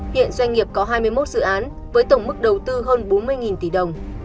hiện doanh nghiệp có hai mươi một dự án với tổng mức đầu tư hơn bốn mươi tỷ đồng